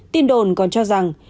tin đồn còn cho rằng